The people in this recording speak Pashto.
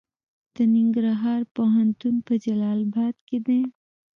د ننګرهار پوهنتون په جلال اباد کې دی